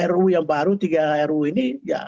ruu yang baru tiga ru ini